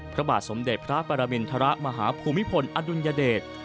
พระบาทสมเด็จพระปรมินทรมาหาภูมิพลอดุลยเดช